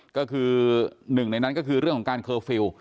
ก็คือหนึ่งในนั้นก็คือเรื่องของการเคอร์ฟิลล์